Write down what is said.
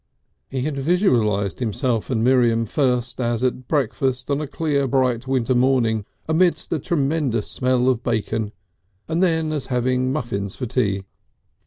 He had visualised himself and Miriam first as at breakfast on a clear bright winter morning amidst a tremendous smell of bacon, and then as having muffins for tea.